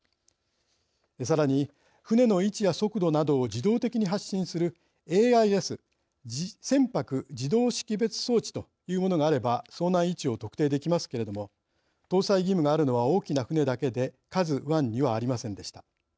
さらに船の位置や速度などを自動的に発信するＡＩＳ＝船舶自動識別装置というものがあれば遭難位置を特定できますけれども搭載義務は大きな船だけで「ＫＡＺＵＩ」にはありませんでした。